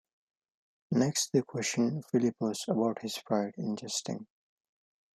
Next they question Philippos about his pride in jesting.